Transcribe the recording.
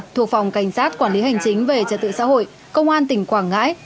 thuộc phòng cảnh sát quản lý hành chính về trật tự xã hội công an tỉnh quảng ngãi